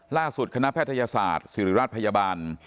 คณะแพทยศาสตร์ศิริราชพยาบาล